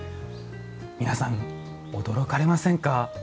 皆さん驚かれませんか？